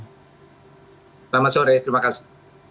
selamat sore terima kasih